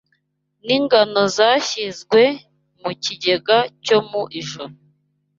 n’ingano zashyizwe mu kigega cyo mu ijuru